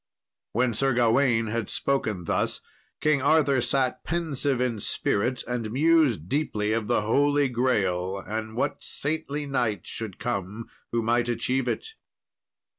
'" When Sir Gawain had spoken thus, King Arthur sat pensive in spirit, and mused deeply of the Holy Grale an what saintly knight should come who might achieve it.